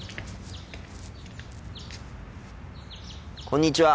こんにちは。